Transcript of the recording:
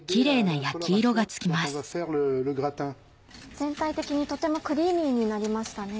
全体的にとてもクリーミーになりましたね。